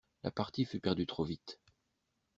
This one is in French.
La partie fut perdue trop vite.